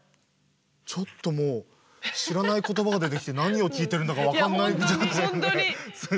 ちょっともう知らない言葉が出てきて何を聞いてるんだかわかんない状態ですごいですね。